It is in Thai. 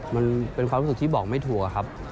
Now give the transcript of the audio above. มันเป็นความรู้สึกที่บอกไม่ถูกครับ